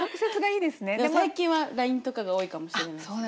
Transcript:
でも最近はＬＩＮＥとかが多いかもしれないですね。